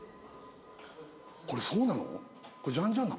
これそうなの？